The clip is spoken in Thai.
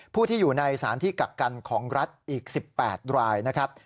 ผู้ที่อยู่ในสารที่กักกันของรัฐอีก๑๘รายนะครับ